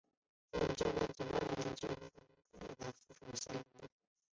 曾任中国人民解放军广州军区公安军兼广东军区副司令员。